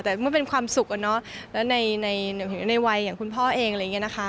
แต่เมื่อเป็นความสุขอะเนาะแล้วในวัยอย่างคุณพ่อเองอะไรอย่างนี้นะคะ